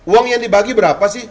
uang yang dibagi berapa sih